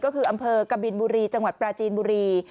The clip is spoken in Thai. ก็คืออำเภอกบินบุรีจังหวัดปราจีนบุรี